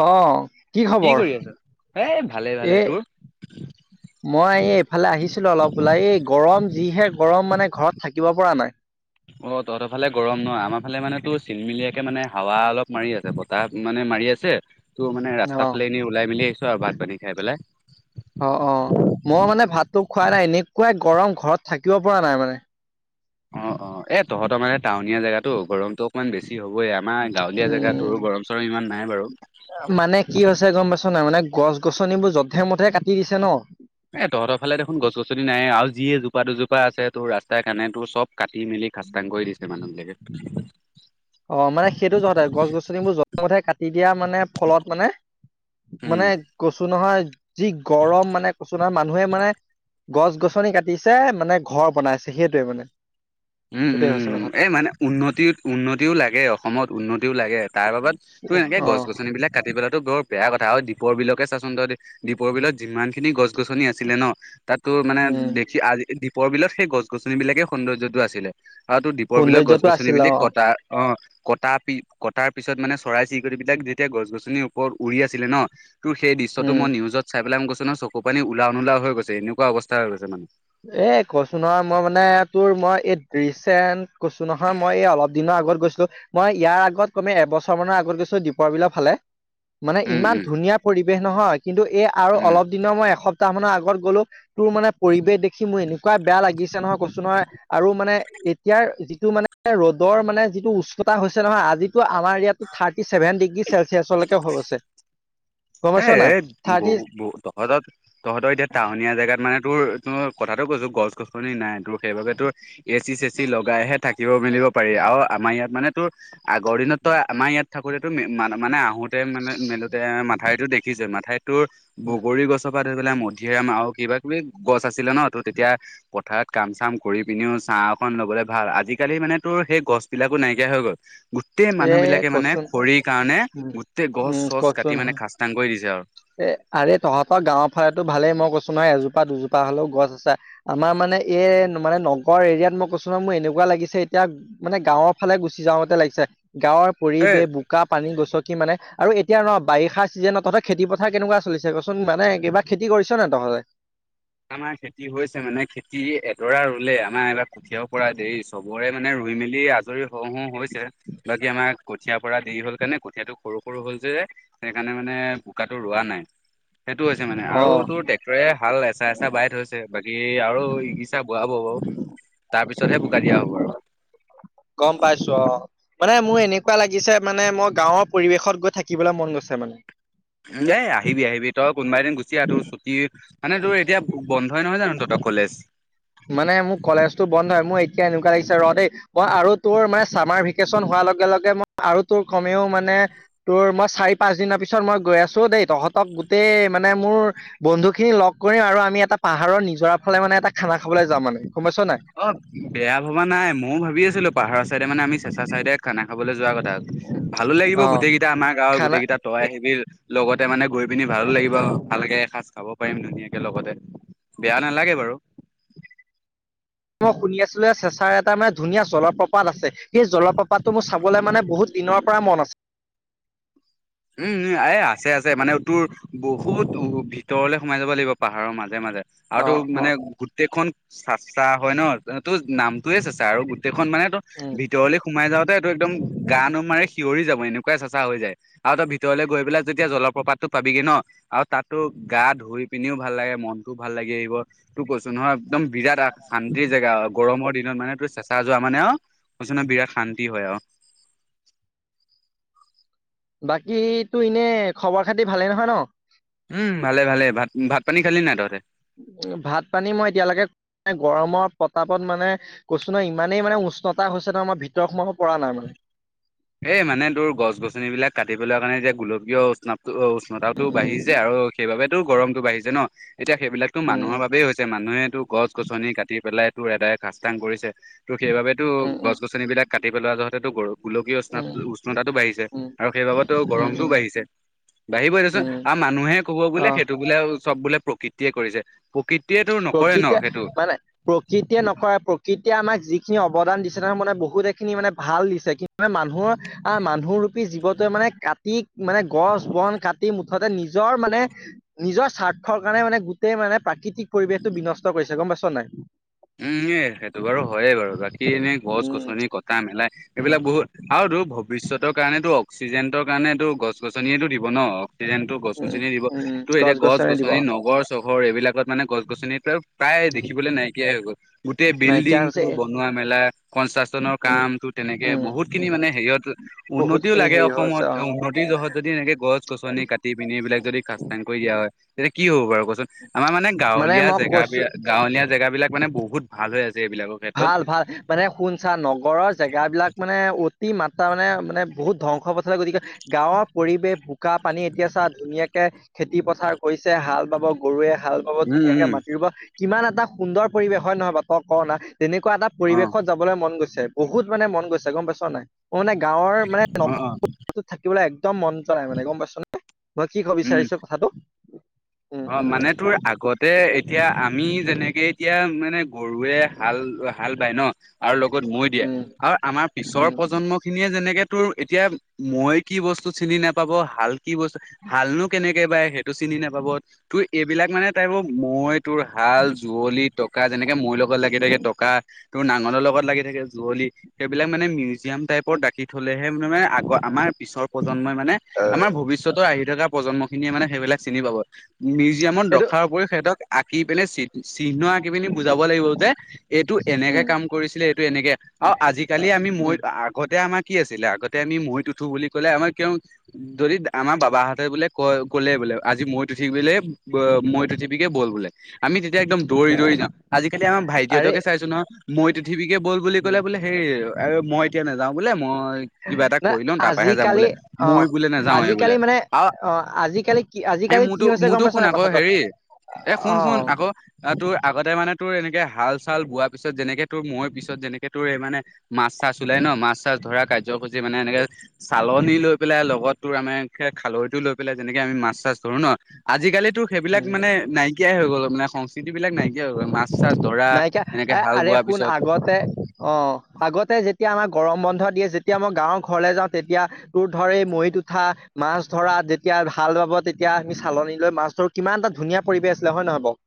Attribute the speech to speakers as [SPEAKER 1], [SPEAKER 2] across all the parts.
[SPEAKER 1] অ',
[SPEAKER 2] কি
[SPEAKER 1] খবৰ?
[SPEAKER 2] কৰি আছোঁ? এ ভালে
[SPEAKER 1] এ
[SPEAKER 2] ভালে, তোৰ?
[SPEAKER 1] মই এই এইফালে আহিছ [unintelligible] অলপ বোলা এই গৰম যিহে গৰম মানে ঘৰত থাকিব পৰা নাই।
[SPEAKER 2] অ' তঁহতৰ ফালে গৰম ন' আমাৰ ফালে মানেতো চিনমিলিয়াকে মানে হাৱা অলপ মাৰি আছে বতাহ মানে মা মাৰি আছে ত' মানে ৰাস্তা
[SPEAKER 1] অ',
[SPEAKER 2] ফালে এনে ওলাই মেলি আহিছ আৰু ভাত পানী খাই পেলাই।
[SPEAKER 1] অ', অ', মই মানে ভাতটো খোৱা নাই এনেকুৱাই গৰম ঘৰত থাকিব পৰা নাই মানে।
[SPEAKER 2] তঁহতৰ মানে টাউনীয়া জেগাতো গৰম ত' অকমান বেছি হ'বইে আমাৰ গাঁৱলীয়া
[SPEAKER 1] উম,
[SPEAKER 2] জেগাতো গৰম চৰম ইমান নাই বাৰু।
[SPEAKER 1] [unintelligible] গম পাইছোঁ নাই মানে গছ গছনিবোৰ যধে মধে কাটি দিছে ন'।
[SPEAKER 2] এ এজোপা দুজোপা আছে তোৰ ৰাস্তাৰ কাণে তোৰ চব কাটি মেলি খাচতাং কৰি দিছে মানুহ বিলাকে।
[SPEAKER 1] অ' মানে সেইটো জহতে গছ গছনিবোৰ যধে মধে কাটি দিয়া মানে ফলত মানে
[SPEAKER 2] উম
[SPEAKER 1] মানে কচু নহয় যি গৰম মানে কচু নহয় মানুহে মানে গছ গছনি কাটিছে মানে ঘৰ বনাইছে সেইটোৱে মানে।
[SPEAKER 2] উম,
[SPEAKER 1] সেইটোৱে হৈছে
[SPEAKER 2] উম,
[SPEAKER 1] কথা
[SPEAKER 2] এই মানে উন্নতি উন্ন [unintelligible] লাগে অসমত উন্নতিও লাগে তাৰ বাবাত এনেকে গছ
[SPEAKER 1] অ'।
[SPEAKER 2] গছনি বিলাক কাটি সেইবিলাকটো বৰ বেয়া কথা হয় দীপৰ বিলকে চাচোন তই দীপৰ বিলত যিমান খিনি গছ গছনি আছিলে ন' তাত তোৰ মানে
[SPEAKER 1] উম,
[SPEAKER 2] দেখি আজি দ্বীপৰ বিলত সেই গছ গছনি বিলাকে সৌন্দৰ্যটো আছিলে। অ' তোৰ দ্বীপৰ বিলাক গছ
[SPEAKER 1] সৌন্দৰ্যটো
[SPEAKER 2] গছনিব
[SPEAKER 1] আছিল অ',
[SPEAKER 2] কটা অ'। কটা কটাৰ পিছত মানে চৰাই চিৰিকটি বিলাক যেতিয়া গছ গছনিৰ ওপৰত উৰি আছিলে ন তোৰ সেই দৃশ্যটো
[SPEAKER 1] উম,
[SPEAKER 2] মই নিউজত চাই পেলাই মই কৈছো নহয় চকু পানী ওলাও নোলাও হৈ গৈছে এনেকুৱা অৱস্থা হৈ গৈছে মানে
[SPEAKER 1] এ কৈছো নহয় মই মানে তোৰ মই এই ৰিচেন্ট কৈছো নহয় মই এই অলপ দিনৰ আগত গৈছিলো মই ইয়াৰ আগত কমে এবছৰ মানৰ আগত গৈছো দীপৰ বিলৰ ফালে মানে
[SPEAKER 2] উম,
[SPEAKER 1] ইমান
[SPEAKER 2] উম,
[SPEAKER 1] ধুনীয়া পৰিবেশ নহয় কিন্তু এই আৰু
[SPEAKER 2] উম।
[SPEAKER 1] অলপ দিনৰ মই এসপ্ত তাৰ মানে আগত গ'লো তোৰ মানে পৰিৱেশ দে মোৰ এনেকুৱা বেয়া লাগিছে নহয় কচোন নহয় আৰু মানে এতিয়াৰ যিটো মানে ৰ'দৰ মানে যিটো উচ্চতা হৈছে নহয় আজি আমাৰ ইয়াতটো থাৰ্টি ছেভেন ডিগ্ৰী চেলচিয়াছলৈকে হৈ গৈছে। গম
[SPEAKER 2] এ
[SPEAKER 1] পাইছ নাই
[SPEAKER 2] এ
[SPEAKER 1] থাৰ্টি
[SPEAKER 2] বহু বহ তহঁতৰ তহঁতৰ এতিয়া টাউনীয়া জেগাত মানে তোৰ কথাটো কৈছো গছ গছনি নাই তোৰ সেইবাবে তোৰ এ চি চে চি লগাইহে থাকিব মেলিব পাৰি আৰু আমাৰ ইয়াত মানে তোৰ আগৰ দিনতই আমাৰ ইয়াত থাকোতে তোন মানে আহো তে মানে মেলোতে মাথাইতো দেখিছে মাথাই তোৰ বগৰী গছৰ পৰা ধৈ পেলাই মধিৰাম আৰু কিবা কিবি গছ আছিলে ন তোৰ তেতিয়া পথাৰত কাম চাম কৰি পিনিও ছা এখন ল'বলে ভাল আজিকালি মানে তোৰ সেই গছবিলাকো নাইকিয়া হৈ গ'ল। গোটেই
[SPEAKER 1] এ
[SPEAKER 2] মানুহ বিলাকে মানে
[SPEAKER 1] কচোন
[SPEAKER 2] খৰিৰ কাৰণে
[SPEAKER 1] উম,
[SPEAKER 2] গোটেই গছ
[SPEAKER 1] উম
[SPEAKER 2] চছ কাটি
[SPEAKER 1] কচোন
[SPEAKER 2] মানে খ
[SPEAKER 1] এ আৰে তঁহতপৰা গাঁওৰ ফালেতো ভালে মই কৈছো নহয় এজোপা দুজোপা হলেও গছ আছে আমাৰ মানে এই মানে নগৰ এৰিয়াত মই কৈছো ন মোৰ এনেকুৱা লাগিছে এতিয়া মানে গাঁৱৰ ফালে গুচি যাওঁতে লাগিছে। গাঁৱৰ
[SPEAKER 2] এ
[SPEAKER 1] পৰিৱেশ বোকা পানী গছকি মানে আৰু এতিয়া ন বাৰিষা চিজনত তহত খেতি পথাৰ কেনেকুৱা চলিছে কচোন মানে কিবা খেতি কৰিছ নে তহঁতে
[SPEAKER 2] আমাৰ খেতি হৈছে মানে খেতি এডৰা ৰুলে আমাৰ এইবাৰ কঠীয়াৰ পৰা দেৰি চবৰে মানে ধুই মেলি আজৰি হওঁ হু হৈছে বাকী আমাৰ কঠিয়াৰ পৰা দেৰি হ'ল কাৰণে কঁঠীয়াটো সৰু সৰু হল যে সেইকাৰণে মানে বোকটো ৰোৱা নাই। সেইটো হৈছে মানে আৰু
[SPEAKER 1] অ',
[SPEAKER 2] তোৰ ট্ৰেক্টৰে হাল এচা এচাহ বাই থৈছে বাকী আৰু বোৱা হ বাৰু তাৰ পিছতহে বোকা দিয়া হ'ব আৰু।
[SPEAKER 1] গম পাইছো অ' মানে মোৰ এনেকুৱা লাগিছে মানে মই গাঁৱৰ পৰিৱেশত গৈ থাকিবলৈ মন গৈছে মোৰ। মানে
[SPEAKER 2] এ আহিবি আহিবি তই কোনোবা এদিন গুচি আহ তোৰ ছুটি মানে তোৰ এতিয়া বন্ধই নহয় জানো তহতৰ কলেজ।
[SPEAKER 1] মানে মোৰ কলেজতটো বন্ধ হয় মোৰ এতিয়া এনেকুৱা লাগিছে ৰ দেই অ' আৰু তোৰ মানে চামাৰ ভেকেশচন হোৱা লগে লগে ম আৰু তোৰ কমেও মানে তোৰ মই চাৰি পাঁচ দিনৰ পিছত মই গৈ আছো দেই তহঁতে গোটেই মানে মোৰ বন্ধু খিনি লগ কৰিম আৰু আমি এটা পাহাৰৰ নিজৰা ফালে মানে এটা খানা খাবলৈ যাম মানে। গম পাইছ নাই
[SPEAKER 2] অ বেয়া ভবা নাই ময়ো ভাবি আছিলো পাহাৰৰ চাইডে মানে আমি চেচা চাইদে খানা খাবলৈ যোৱা কথা। তাক ভালো লাগিব
[SPEAKER 1] অ
[SPEAKER 2] গোটেই কেইটা আমাৰ গাঁৱৰ
[SPEAKER 1] খানা
[SPEAKER 2] গোটেই কেইটা তই লগতে মানে গৈ পিনি ভালো লাগিব ভালকে এসাঁজ খাব পাৰিম ধুনীয়াকে লগতে। বেয়া নালাগে বাৰু।
[SPEAKER 1] মই শুনি আছিলো চেঁচাৰ এটা মানে ধুনীয়া জলপ্ৰপাত আছে সেই জলপ্ৰপাতটো মোৰ চাবলৈ মানে বহুত দিনৰ পৰা মন আছে।
[SPEAKER 2] উম উ এ আছে আছে মানে তোৰ বহুত উ তৰলে সোমাই যাব লাগিব পাহাৰৰ মাজে মাজে আৰু
[SPEAKER 1] অ
[SPEAKER 2] তো
[SPEAKER 1] অ
[SPEAKER 2] মানে গোটেইখন চাচা হয় ন তোৰ নাম তয়ে চাছা আৰু গোটেইখন মানে তটো
[SPEAKER 1] উম
[SPEAKER 2] ভিতৰলৈ সোমাই যাওঁতে এইটো একদম গা নোম মা কিঞৰি যাব এনেকুৱাই চেচা হৈ যায়। আৰু তই ভিতৰলে গৈ পেলাই যেতিয়া জলপ্ৰপাতো পাবিগি ন আৰু তাততো গা ধুই পিনিও ভাল লাগে মন ভাল লাগি আহিব তোক কৈছো নহয় একদম বিৰাট শান্তিৰ জেগা গৰমৰ দিনত মানে তোৰ চেচা যোৱা মানে আৰু বিৰাট শান্তি হয় আৰু।
[SPEAKER 1] বাকীতো এনে খবৰ খাতি ভালে নহয় ন।
[SPEAKER 2] উম ভালে ভালে ভাত ভাত পানী খালি ন তহঁতে।
[SPEAKER 1] উ, ভাত, পানী মই এতিয়ালৈকে গৰমৰ প্ৰতাপত মানে কৈছো ন, ইমানেই মানে উষ্ণতা হৈছে ন, আমাৰ ভিতৰত সোমাব পৰা নাই মানে।
[SPEAKER 2] এ, মানে তোৰ গছ, গছনিবলাক কাটিবলৈ কাৰণে এতিয়া গোলকীয় নাপ। উষ্ণতা
[SPEAKER 1] উম
[SPEAKER 2] বাঢ়ি যায় আৰু সেইবাবেতো গৰমতটো বাঢ়ি যায় ন। এতিয়া সেইবিলাকো মানুহৰ বাবেই হৈছে, মানুহেটো গছ, গছনি কাটি পেলাই তো এদায় খাজ্তাং কৰিছে। ত, সেইবাবেতো
[SPEAKER 1] উম উম
[SPEAKER 2] গছ, গছন বিলাক কাটি পেলোৱা যহতে গ গোলকীয়। উষ্ণত,
[SPEAKER 1] উম
[SPEAKER 2] উষ্ণতাটো বাঢ়িছে
[SPEAKER 1] উম উম
[SPEAKER 2] আৰু সেইবাবেতো
[SPEAKER 1] উম
[SPEAKER 2] গৰমটোও
[SPEAKER 1] উম
[SPEAKER 2] বাঢ়িছে। বাঢ়িবই দেচোন
[SPEAKER 1] উম
[SPEAKER 2] আৰু মানুহে কব বোলে।
[SPEAKER 1] আহ
[SPEAKER 2] সেইটো বোলে চব বোলে, প্ৰকৃতিয়ে কৰিছে, প্ৰকৃতি।
[SPEAKER 1] প্ৰকৃতিয় মানে, প্ৰকৃতিয়ে নকৰা প্ৰকৃতি এতিয়া আমাক যিখিনি অৱদান দিছে, ত, মানে বহুত খিনি মানে ভাল দিছে। কিন্তু মানে মানুহৰ আহ মানুহ ৰূপী জীৱটোৱে মানে কাটি মানে গছ, বন কাটি মুঠতে নিজৰ মানে নিজৰ স্বাৰ্থ কাৰণে মানে গোটেই মানে প্ৰাকৃতিক পৰিৱেশটো বিনষ্ট কৰিছে গম পাইছ নাই।
[SPEAKER 2] উম, সেইটো বাৰু হয়য়ে, বাৰু বাকী এনেই গছ,
[SPEAKER 1] উম
[SPEAKER 2] গছনি কটা, মেলা
[SPEAKER 1] উম
[SPEAKER 2] এইবিলাক বহুত আৰু। টো, ভৱিষ্যতৰ কাৰণেত অক্সিজেন্টৰ কাৰণ এইটো গছ গছনিয়ে দিব ন, অক্সিজেনতো গছ,
[SPEAKER 1] উম,
[SPEAKER 2] গছনিয়ে দিব
[SPEAKER 1] উম,
[SPEAKER 2] তো, এতিয়া গছ-
[SPEAKER 1] গছ-গছনি
[SPEAKER 2] গছনি
[SPEAKER 1] দিৱস
[SPEAKER 2] নগৰ চহৰ এইবিলাক ত, মানে গছ, গছনিত প্ৰায় দেখিবলৈ নাই। গল, গোটেই
[SPEAKER 1] নাইকিয়া
[SPEAKER 2] বিল্ডিং টো
[SPEAKER 1] হৈছে এ
[SPEAKER 2] বনোৱা মেলা কনষ্ট্ৰাকচনৰ
[SPEAKER 1] উম,
[SPEAKER 2] কাম টো তেনেকে
[SPEAKER 1] উম,
[SPEAKER 2] বহুত খিনি
[SPEAKER 1] উম,
[SPEAKER 2] মানে মে, হেৰিয়ত
[SPEAKER 1] বহুত
[SPEAKER 2] উন্নতিও
[SPEAKER 1] খিনি
[SPEAKER 2] লাগে।
[SPEAKER 1] হেৰি হৈ আছে
[SPEAKER 2] অসমত
[SPEAKER 1] অ,
[SPEAKER 2] উন্নতিৰ জহত যদি এনেকে গছ, গছনি, কাটি, পিনি এইবিলাক যদি খাস্তান কৰি দিয়া হয়। এতিয়া কি হ'ব বাৰু কচোন আমাৰ মানে গাঁৱলীয়া
[SPEAKER 1] মই
[SPEAKER 2] জেগা
[SPEAKER 1] কৈছো
[SPEAKER 2] বিাক গাঁৱলীয়া জেগা বিলাক মানে বহুত ভাল হৈ আছে। এইবিলাকৰ ক্ষেত্ৰত
[SPEAKER 1] ভাল, ভাল মানে শুনছা নগৰৰ জেগাবলাক মানে উ মাত্ৰা মানে, মানে, বহুত ধ্বংস পথে, গতিকে গাঁৱৰ পৰিৱেশ বোকা পানী এতিয়া চা, ধুনীয়াকে খেতি পথাৰ কৰিছে, হাল বাব গৰুৱে ভাল পাব
[SPEAKER 2] উম
[SPEAKER 1] ধুনীয়াকে মাতি
[SPEAKER 2] উম
[SPEAKER 1] ব কিমান এটা সুন্দৰ পৰিৱেশ হয়, নহয়, ব, তই, ক, না তেনেকুৱা এটা
[SPEAKER 2] অ
[SPEAKER 1] পৰিৱেশত যাবলৈ মন গৈছে বহুত মানে মন গৈছে, গম পাইছ নাই। অ, মানে গাঁৱৰ
[SPEAKER 2] অ অ
[SPEAKER 1] মানে থাকিবলৈ একদম মন যায় মানে গম পাইছো, নাই, মই কি ক'ব
[SPEAKER 2] উম
[SPEAKER 1] বিচাৰিছো কথাটো উম
[SPEAKER 2] অ,
[SPEAKER 1] উম
[SPEAKER 2] মানে তোৰ আগতে এতিয়া আমি যেনেকে এতিয়া মানে গৰুৱে হাল, হাল বাই ন, আৰু লগত মৈ দিয়ে
[SPEAKER 1] উম
[SPEAKER 2] আৰু আমাৰ পিছৰ
[SPEAKER 1] উম
[SPEAKER 2] প্ৰজন্ম খিনিয়ে যেনেকে ত, এতিয়া মই কি বস্তু চিনি নাপাবাল কি বস্তু হালনো, কেনেকে বাই সেইটো চিনি নাপাব। তোৰ এইবিলাক মানে তাই ব, মই, তোৰ হাল যুৱলি টকা যেনেকে মোৰ লগত লাগি থাকে, টকা তোৰ নাঙলৰ লগত লাগি থাকে, যুঁৱলি সেইবিলাক মানে মিউজিয়াম টাইপত ৰাখি থলেহে মে, মানে, আগ আমাৰ পিছৰ প্ৰজন্মই মানে আমাৰ ভৱিষ্যতৰ আহি থকা প্ৰজন্ম খিনিয়ে মানে সেইবিলাক চিনি পাব। মিউজিয়ামত
[SPEAKER 1] এইটো
[SPEAKER 2] ৰখাৰ উপৰিও সিহতক আঁকি পিনে চি চিহ্ন আঁকি পিনি বুজাব লাগিব যে, এইটো এনেকে
[SPEAKER 1] উম
[SPEAKER 2] কাম কৰিছিলে, এইটো এনেকে আৰু আজিলা আজিকালি আমি মই
[SPEAKER 1] উম
[SPEAKER 2] আগতে আমাক কি আছিলে, আগতে আমি মৈত উঠো বুলি ক'লে আমাৰ কিয় যদি আমাৰ বাবাহঁতে বোলে ক, ক'লে আজি মৈ উঠিবিগে মইত, উথিবিকে ব'ল বোলে আমি এতিয়া একদম দৌৰি,
[SPEAKER 1] উম
[SPEAKER 2] দৌৰি যাওঁ আজিকালি আমাৰ
[SPEAKER 1] আৰে
[SPEAKER 2] ভাইটিহঁতকে চাইছো নহয়। মই উঠীবিগে বল বুলি
[SPEAKER 1] উম
[SPEAKER 2] ক'লে বোলে সেই আৰু মই এতিয়া নাযাওঁ বোলে মই কিবা এটা
[SPEAKER 1] ন,
[SPEAKER 2] কৰি লওঁ তাৰ পৰাহে যাম
[SPEAKER 1] আজিকালি
[SPEAKER 2] বোলে
[SPEAKER 1] অ,
[SPEAKER 2] মই বোলে নাযাওৱে
[SPEAKER 1] আজিকালি
[SPEAKER 2] বোলে
[SPEAKER 1] মানে
[SPEAKER 2] আৰু
[SPEAKER 1] অ, আজিকালি কি
[SPEAKER 2] এই
[SPEAKER 1] আজিকালি কি
[SPEAKER 2] মোৰতো
[SPEAKER 1] হৈছে? গম
[SPEAKER 2] মোৰতো
[SPEAKER 1] পাইছ
[SPEAKER 2] শুন
[SPEAKER 1] নাই
[SPEAKER 2] আকৌ,
[SPEAKER 1] কথাটো
[SPEAKER 2] হেৰি এ, শুন,
[SPEAKER 1] অ
[SPEAKER 2] শুন আকৌ অ, তোৰ আগতে মানে তোৰ এনেকে হাল, চাল বোৱাৰ পিছত যেনেকে তোৰ মই পিছত যেনেকে ত মানে মাছ, চাছ, ওলাই ন, মাছ, চাছ ধৰা কাৰ্যসূচী মানে এনেকে চালনি লৈ পেলাই লগত, তোৰ আমি খালৈটো লৈ পেলাই, যেনেকে আমি মাছ, চাছ ধৰো ন, আজিকালিত ত, সেইিলাক
[SPEAKER 1] উম
[SPEAKER 2] মানে নাইকিয়াই হৈ গ'ল। মানে সংস্কৃতি বিালাক নাইকিয়া হৈ গল মা
[SPEAKER 1] নাইকিয়া এ, আৰে শুন আগতে অ, আগতে যেতিয়া আমাৰ গৰম বন্ধ দিয়ে, যেতিয়া মই গাঁৱৰ ঘৰলে যাওঁ, তেতিয়া তোৰ ধৰ এই মৈত উঠা, মাছ ধৰা, যেতিয়া হাল বাৱ, তেতিয়া আমি চালনী লৈ মাছ ধৰো, কিমান এটা ধুনীয়া পৰিৱেশ আছিলে, হয় নহয় বাৰু?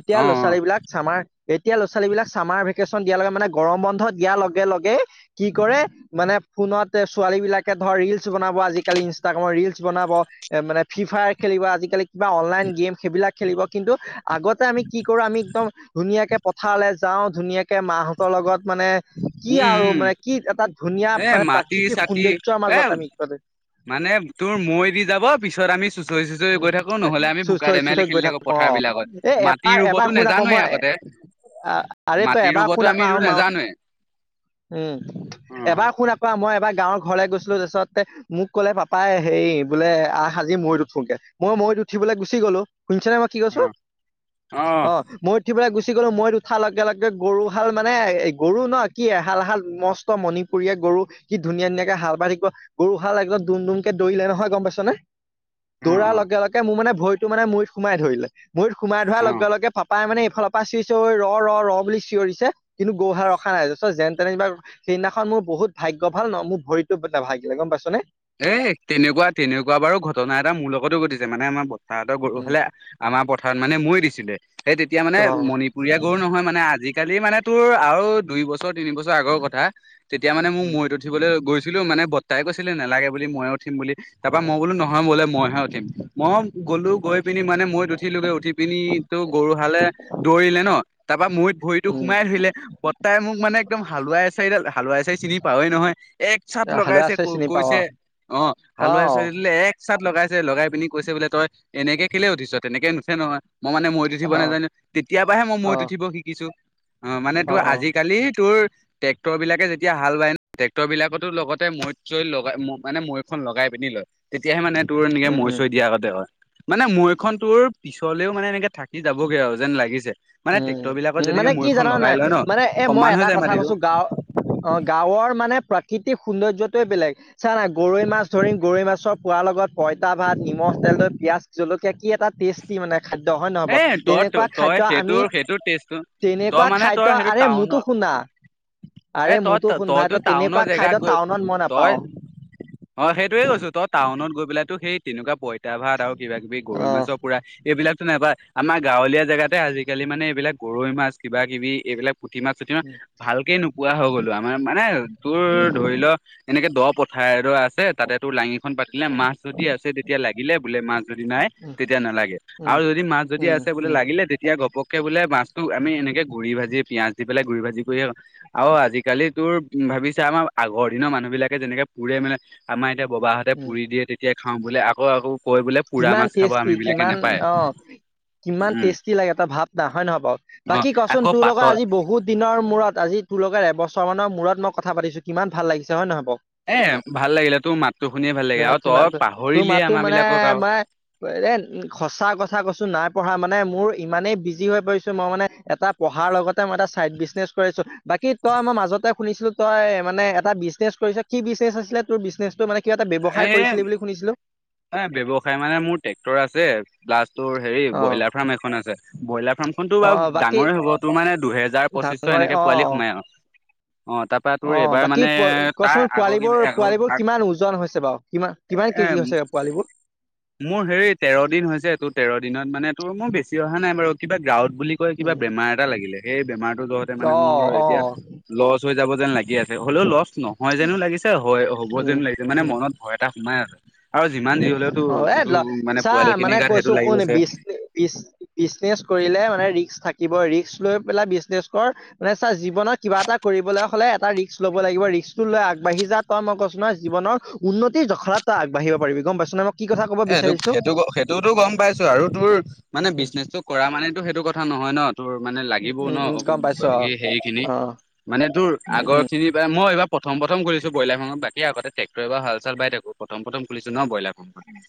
[SPEAKER 1] এতিয়া
[SPEAKER 2] অ অ
[SPEAKER 1] ল'ৰা ছোৱালী বিলাক চামাৰ এতিয়া ল'ৰা ছোৱালী বিলাক চামাৰ ভেকেচন দিয়াৰ লগে মানে, গৰম বন্ধ দিয়াৰ লগে লগেই কি কৰে মানে ফোনত ছোৱালী বিলাকে ধৰ ৰিলচ বনাব, আজিকালি ইনষ্টাগ্ৰামৰ ৰিলচ বনাব, এ মানে ফ্ৰী ফায়াৰ খেলি আজিকালি কিবা অনলাইন গেম, সেইবিলাক খেলিব। কিন্তু আগতে আমি কি কৰো? আমি একদম ধুনীয়াকে পথাৰলৈ যাওঁ, ধুনীয়াকে মাহঁতৰ লগত মানে কি
[SPEAKER 2] উম
[SPEAKER 1] আৰু
[SPEAKER 2] উম
[SPEAKER 1] মানে, কি এটা ধুনীয়া,
[SPEAKER 2] এ
[SPEAKER 1] মানে
[SPEAKER 2] মাটি
[SPEAKER 1] প্ৰাকৃতিক
[SPEAKER 2] চাটি
[SPEAKER 1] সৌন্দৰ্যৰ
[SPEAKER 2] এ
[SPEAKER 1] মাজত আমি
[SPEAKER 2] মানে তোৰ মৈ দি যাব, পিছত আমি চু চুঁচৰি চুঁচৰি গৈ থাকো, নহলে আমি
[SPEAKER 1] চুচ
[SPEAKER 2] বোকা
[SPEAKER 1] হৈ চুচ
[SPEAKER 2] ধেমালি
[SPEAKER 1] হৈ গৈ
[SPEAKER 2] খেলি থাকো, পথাৰ
[SPEAKER 1] অ এ
[SPEAKER 2] বিলাকত। মাটি
[SPEAKER 1] এবাৰ এবাৰ
[SPEAKER 2] ৰুবতো
[SPEAKER 1] শুন আকৌ
[SPEAKER 2] নাজানোৱেই
[SPEAKER 1] মই
[SPEAKER 2] আগতে।
[SPEAKER 1] আৰে তই
[SPEAKER 2] মাটি
[SPEAKER 1] এবাৰ শুন
[SPEAKER 2] ৰুবতো
[SPEAKER 1] আকৌ
[SPEAKER 2] আমি ৰু নেজানোৱেই।
[SPEAKER 1] উম, এবাৰ শুন আকৌ মই এবাৰ গাঁৱৰ ঘৰলে গৈছিলো, তাৰপিছত মোক ক'লে পাপাই, হেৰি বোলে আহ আজি মৈত উঠোগে, মই মৈত উঠিবলৈ গুচি গ'লো, শুনিছে নে মই কি কৈছো?
[SPEAKER 2] অ',
[SPEAKER 1] অ', মৈত উঠি পেলাই গুচি গ'লো, মৈত উঠাৰ লগে লগে গৰুহাল মানে, এই গৰু ন, কি এহাল এহাল মস্ত মণি পুৰিয়া গৰু, কি ধুনীয়া ধুনীয়াকে হাল বাই থাকিব, গৰু হাল একদম দুম দুমকে দৌৰিলে নহয়, গম পাইছনে?
[SPEAKER 2] অ',
[SPEAKER 1] দৌৰাৰ লগে লগে মোৰ মানে ভৰিটো মানে মৈত সোমাই ধৰিলে, মৈত সোমাই ধৰাৰ
[SPEAKER 2] অ'। অ'।
[SPEAKER 1] লগে লগে পাপাই মানে সিফালৰ পৰা চিঞৰিছে, ঐ ৰ', ৰ', ৰ', বুলি চিঞৰিছে, কিন্তু গৰুহাল ৰখা নাই, তাৰ পিছত যেন তেন যেনিবা, সেইদিনাখন মো মোৰ বহুত ভাগ্য ভাল ন', মোৰ ভৰিতো নভাগিলে, গম পাইছনে?
[SPEAKER 2] এই তেনেকুৱা, তেনেকুৱা বাৰু ঘটনা এটা মোৰ লগতো ঘটিছে, মানে আমাৰ তাহঁতৰ গৰু
[SPEAKER 1] উম
[SPEAKER 2] হালে আমাৰ পথাৰত মানে মৈ দিছিলে, সেই তেতিয়া মানে
[SPEAKER 1] অ
[SPEAKER 2] মণিপুৰীয়া গৰু নহয় মানে, আজি কালি মানে তোৰ আৰু দুই বছৰ তিনি বছৰ আগৰ কথা, তেতিয়া মানে মোক
[SPEAKER 1] উম
[SPEAKER 2] মৈত উঠিবলৈ গৈছিলো, মানে বৰ্তাই কৈছিলে নালাগে বুলি ময়েই উঠিম বুলি, তাৰ পৰা মই বোলো নহয় বোলো মইহে উঠিম, মই গ'লো গৈ পিনি মানে মৈত উঠিলোগৈ, উঠি পিনিতো গৰু হালে দৌৰিলে ন, তাৰপা মৈত ভৰিতটো
[SPEAKER 1] উম
[SPEAKER 2] সোমাই ধৰিলে, বৰ্তাই মোক মানে একদম হালোৱা এচাৰিডালেই হা হালোৱা এচাৰি চিনি পাওৱেই নহয়, এক চাত
[SPEAKER 1] হালোৱা
[SPEAKER 2] লগাইছে
[SPEAKER 1] আছে
[SPEAKER 2] ক
[SPEAKER 1] চিনি পাৱ অ
[SPEAKER 2] কৈছে, অ', হালোৱা এচাৰি দালে এক চাত লগাইছে। লগাই পিনি কৈছে, বোলে তই এনেকে কেলে উঠিছ, তেনেকে নুঠে নহয়। মই মানে মৈত
[SPEAKER 1] অ
[SPEAKER 2] উঠিব
[SPEAKER 1] অ
[SPEAKER 2] নাজানো, তেতিয়াপাহে মই
[SPEAKER 1] অ
[SPEAKER 2] মৈত উঠিব শিকিছো। অ', মানে তোৰ, আজিকালি তোৰ ট্ৰেক্টৰবিলাকে যেতিয়া হাল বায় ন', ট্ৰেক্টৰবিলাকতো লগতে মৈ চৈ লগাই, মানে মৈ খন লগাই পিনি লয়। তেতিয়াহে মানে তোৰ এনেকে
[SPEAKER 1] উম
[SPEAKER 2] মৈ
[SPEAKER 1] উম
[SPEAKER 2] চৈ দিয়া আগতে হয়। মানে মৈখন তোৰ পিছলেও মানে এনেকে থাকি যাবগে আৰু যেন লাগিছে। মানে
[SPEAKER 1] উম,
[SPEAKER 2] ট্ৰেক্টৰ বিলাকত যেনেকে
[SPEAKER 1] মানে কি
[SPEAKER 2] মৈখন
[SPEAKER 1] জানা নে
[SPEAKER 2] লগাই
[SPEAKER 1] নাই?
[SPEAKER 2] লয় ন
[SPEAKER 1] মানে এই মই
[SPEAKER 2] সমান হৈ
[SPEAKER 1] এটা
[SPEAKER 2] যায়
[SPEAKER 1] কথা
[SPEAKER 2] মাটিটো
[SPEAKER 1] কৈছো, গাওঁ অ', গাঁৱৰ মানে প্ৰাকৃতিক সৌন্দয্যতোৱেই বেলেগ, চা না, গৰৈ মাছ ধৰিম, গৰৈ মাছৰ পোৰাৰ লগত পইতা ভাত, নিমখ তেল লৈ পিয়াজ জলকীয়া কি এটা টেষ্টি মানে। খাদ্য হয় নে নহয়
[SPEAKER 2] এ
[SPEAKER 1] বাৰু? তেনেকুৱা
[SPEAKER 2] তই তই
[SPEAKER 1] খাদ্য আ
[SPEAKER 2] সেইটো
[SPEAKER 1] তুমি,
[SPEAKER 2] সেইটো টেষ্টটো তই
[SPEAKER 1] তেনেকুৱা
[SPEAKER 2] মানে তই
[SPEAKER 1] খাদ্য,
[SPEAKER 2] সেইটো
[SPEAKER 1] আৰে
[SPEAKER 2] টাউনৰ
[SPEAKER 1] মোৰতো শুনা।
[SPEAKER 2] এ
[SPEAKER 1] আৰে
[SPEAKER 2] তই
[SPEAKER 1] মোৰতো শুন ভাই,
[SPEAKER 2] তইতো
[SPEAKER 1] তই
[SPEAKER 2] টাউনৰ
[SPEAKER 1] তেনেকুৱা
[SPEAKER 2] জেগাত
[SPEAKER 1] খাদ্য
[SPEAKER 2] গৈ
[SPEAKER 1] টাউনত মই
[SPEAKER 2] তই
[SPEAKER 1] নাপাও।
[SPEAKER 2] অ', সেইটোয়েই কৈছোঁ, তই টাউনত গৈ পেলাইতো সেই তেনেকুৱা পঁইতা ভাত আৰু কিবা কিবি
[SPEAKER 1] অ,
[SPEAKER 2] গৰৈ মাছৰ পোৰা, এইবিলাক নাইবা, আমাৰ গাঁৱলীয়া জেগাতেই আজিকালি মানে এইবিলাক গৰৈ মাছ কিবা কিবি এইবিলাক পুঠিমাছ চুঠিমাছ
[SPEAKER 1] উম,
[SPEAKER 2] ভালকেই নোপোৱা হৈ গ'লো, আমাৰ মানে, তোৰ ধৰি ল', এনেকে দ পথাৰ এডৰা আছে, তাতেই তোৰ লাঙি খন পাতিলে, মাছ যদি আছে তেতিয়া লাগিলে, বোলে মাছ যদি নাই,
[SPEAKER 1] উম,
[SPEAKER 2] তেতিয়া নালাগে।
[SPEAKER 1] উম,
[SPEAKER 2] আৰু যদি মাছ যদি
[SPEAKER 1] উম,
[SPEAKER 2] আছে বোলে
[SPEAKER 1] উম,
[SPEAKER 2] লাগিলে, তেতিয়া ঘপককে বোলে মাছটো আমি এনেকে গুৰি ভাজিৰে পিয়াজ দি পেলাই গুৰি ভাজি কৰিয়েই আৰু আজিকালি তোৰ ভাবিছা, আমাৰ আগৰ দিনৰ মানুহ বিলাকে যেনেকে পুৰে মেলে, আমাৰ এতিয়া। বাবাহঁতে
[SPEAKER 1] উম,
[SPEAKER 2] পুৰি দিয়ে তেতিয়াই খাওঁ, বোলে আকৌ আকৌ কৈ বোলে, পুৰা
[SPEAKER 1] কিমান
[SPEAKER 2] মাছ খাব
[SPEAKER 1] টেষ্টি
[SPEAKER 2] আমি বিলাকে
[SPEAKER 1] কিমান
[SPEAKER 2] নেপায়।
[SPEAKER 1] অ,
[SPEAKER 2] [unintelligible]
[SPEAKER 1] কিমান টেষ্টি লাগে তই ভাৱ না, হয় নহয় বাৰু,
[SPEAKER 2] অ
[SPEAKER 1] বাকী ক'চোন
[SPEAKER 2] আকৌ
[SPEAKER 1] তোৰলগত
[SPEAKER 2] পাতত
[SPEAKER 1] আজি বহুত দিনৰ মূৰত আজি তোৰলগত। এবছৰ মানৰ মূৰত মই কথা পাতিছো, কিমান ভাল লাগিছে হয় নহয়। বাৰু
[SPEAKER 2] এ ভাল লাগিলে, তোৰ মাতটো শুনিয়ে ভাল লাগিল
[SPEAKER 1] আহ,
[SPEAKER 2] আৰু
[SPEAKER 1] কিমান
[SPEAKER 2] তই
[SPEAKER 1] তো- তোৰ
[SPEAKER 2] পাহৰিলিয়ে
[SPEAKER 1] মাতো
[SPEAKER 2] আমাৰ
[SPEAKER 1] মানে
[SPEAKER 2] বিলাকক আৰু।
[SPEAKER 1] মই, এ সঁচা কথা কৈছো নাই পাহৰা মানে মোৰ। ইমানেই বিজি হৈ পৰিছো, মই মানে এটা পঢ়াৰ লগতে মই এটা চাইড বিজনেছ কৰি আছো, বাকী তই মই মাজত। মাজতে শুনিছিলো, তই মানে এটা বিজনেছ কৰিছ, কি বিজনেছ আছিলে তোৰ বিজনেছটো মানে? কিৱা এটা ব্যৱসায়
[SPEAKER 2] এ
[SPEAKER 1] কৰিছিলে বুলি শুনিছিলো।
[SPEAKER 2] এ, ব্যৱসায় মানে মোৰ ট্ৰেক্টৰ আছে প্লাষ্ট। তোৰ হেৰি,
[SPEAKER 1] অ
[SPEAKER 2] ব্ৰইলাৰ ফাৰ্ম এখন আছে। ব্ৰইলাৰ ফাৰ্ম খনতটো
[SPEAKER 1] অ
[SPEAKER 2] বাৰু
[SPEAKER 1] বাকী
[SPEAKER 2] ডাঙৰেই হ'ব তোৰ মানে দুহেজাৰ। দুহেজাৰ পঁচিশশ,
[SPEAKER 1] ডাঙৰে
[SPEAKER 2] এনেকে
[SPEAKER 1] অ
[SPEAKER 2] পোৱালি সোমাই আৰু। অ তাৰপৰা তোৰ
[SPEAKER 1] অ'
[SPEAKER 2] এইবাৰ
[SPEAKER 1] বাকী
[SPEAKER 2] মানে তাৰ
[SPEAKER 1] কচোন
[SPEAKER 2] আগৰ
[SPEAKER 1] পোৱালিবোৰ,
[SPEAKER 2] আগৰ
[SPEAKER 1] পোৱালিবোৰ কিমান ওজন হৈছে বাৰু কিমান কিমান? কিমান কেজি
[SPEAKER 2] এ
[SPEAKER 1] হৈছে? পোৱালীবোৰ
[SPEAKER 2] মোৰ হেৰি তেৰ দিন হৈছে, এইটো তেৰ দিন। মানে টোৰ, মোৰ বেছি অহা নাই বাৰু কিবা গ্ৰাউত বুলি কয়, কিবা
[SPEAKER 1] উম
[SPEAKER 2] বেমাৰ এটা লাগিলে সেই বেমাৰ। যহতে মানে
[SPEAKER 1] অ
[SPEAKER 2] মোৰ,
[SPEAKER 1] অ
[SPEAKER 2] এতিয়া লছ হৈ যাব যেন লাগি আছে। হ'লেও লচ নহয় যেনো লাগিছে, হয় হ'ব
[SPEAKER 1] উম
[SPEAKER 2] যেনো লাগিছে, মানে
[SPEAKER 1] উম
[SPEAKER 2] মনত ভয় এটা সোমাই আছে। আৰু যিমান যি হলেওতো
[SPEAKER 1] অ', এ
[SPEAKER 2] যোনটো মানে
[SPEAKER 1] চা
[SPEAKER 2] পোৱালি
[SPEAKER 1] মানে
[SPEAKER 2] খিনিৰ গাত সেইটো
[SPEAKER 1] কৈছো
[SPEAKER 2] লাগি
[SPEAKER 1] শুন
[SPEAKER 2] গৈছে এ
[SPEAKER 1] বিছ বিছ বিজনেছ। কৰিলে মানে ৰিস্ক। থাকিব, ৰিক্ক লৈ পেলাই বিজনেছ কৰ। মানে চা জীৱনত কিবা এটা কৰিবলে হ'লে এটা ৰিস্ক ল'ব লাগিব। ৰিক্সটো লৈ আগবাঢ়ি যা তই, মই কৈছো নহয় জীৱনৰ উন্নতি জখলা তই আগবাঢ়িব পাৰিবি, গম পাইছঁ। কি কথা ক'ব।
[SPEAKER 2] এটো, সেইটো সেইটোতো গম পাইছো আৰু তোৰ মানে
[SPEAKER 1] উম
[SPEAKER 2] বিজনেচটো কৰা মানটো সেইটো কথা নহয় ন। তোৰ মানে
[SPEAKER 1] উম
[SPEAKER 2] লাগিব ন,
[SPEAKER 1] উম উম গম পাইছো অ
[SPEAKER 2] হেৰি খিনি
[SPEAKER 1] অ
[SPEAKER 2] মানে তোৰ
[SPEAKER 1] উম
[SPEAKER 2] আগৰ
[SPEAKER 1] উম
[SPEAKER 2] খিনি বা মই এইবাৰ। প্ৰথম প্ৰথম খুলিছো ব্ৰইলাৰ ফ্ৰাম, বাকী আগতে ট্ৰেক্টৰ বাৰু হাল চাল বাই থাকো, প্ৰথম প্ৰথম খুলিছো ন ব্ৰইলাৰ ফ্ৰাম।
[SPEAKER 1] উম্।